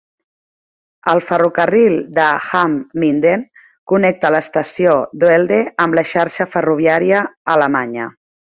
El ferrocarril de Hamm-Minden connecta l'estació d'Oelde amb la xarxa ferroviària Alemanya.